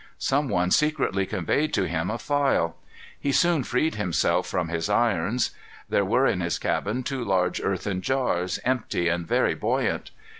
Some one secretly conveyed to him a file. He soon freed himself from his irons. There were in his cabin two large earthern jars, empty and very buoyant.